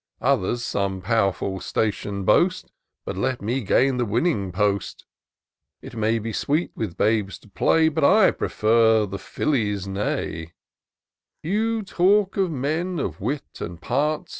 Others some pow'rful station boast ; But let me gain the winning post. It may be sweet with babes to play. But I prefer the Filly's neigh. You talk of men of wit and parts.